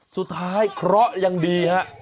สุดท้ายเคราะห์อย่างดีฮะ